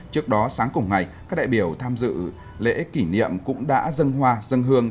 trước đó sáng cùng ngày các đại biểu tham dự lễ kỷ niệm cũng đã dân hoa dân hương